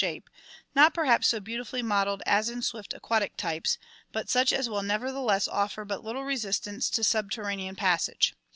shape, not perhaps so beautifully modelled as in swift aquatic types, but such as will nevertheless offer but little resistance to subter ranean passage.